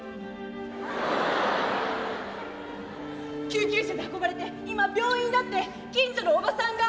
「救急車で運ばれて今病院だって近所のおばさんが」。